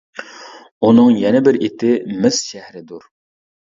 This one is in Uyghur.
ئۇنىڭ يەنە بىر ئېتى «مىس شەھىرى» دۇر.